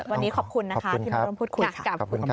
วันนี้ขอบคุณค่ะที่พอพูดคุย